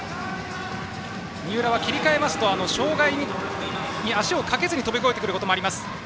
三浦は切り替えますと、障害に足をかけずに飛び越えてくることもあります。